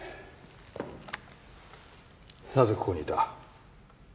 なぜここにいた？